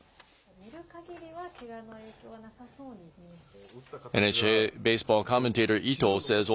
見る限りは、けがの影響はなさそうに見える？